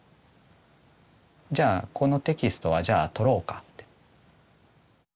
じゃあこのテキストはじゃあ取ろうかって。